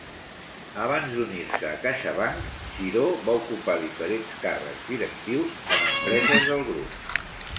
Abans d'unir-se a CaixaBank, Giró va ocupar diferents càrrecs directius en empreses del grup.